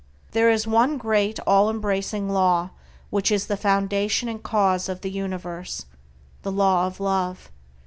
There is one great all embracing Law which is the foundation and cause of the universe, the Law of Love.